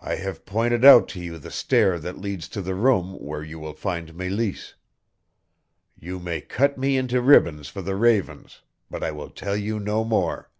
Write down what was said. I have pointed out to you the stair that leads to the room where you will find Meleese. You may cut me into ribbons for the ravens, but I will tell you no more!"